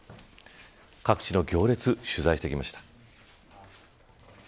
各地の行列、取材してきました。